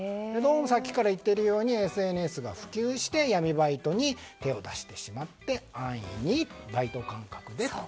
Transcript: さっきから言っているようにＳＮＳが普及して闇バイトに手を出してしまって安易に、バイト感覚でと。